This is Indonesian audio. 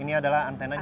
ini adalah antena gsm